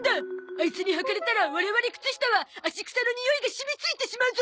アイツにはかれたら我々靴下はアシクサのにおいが染みついてしまうゾ。